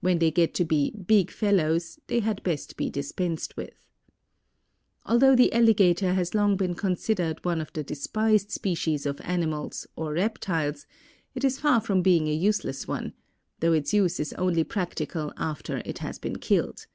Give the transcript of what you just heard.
When they get to be "big fellows," they had best be dispensed with. Although the alligator has long been considered one of the despised species of animals, or reptiles, it is far from being a useless one—though its use is only practical after it has been killed.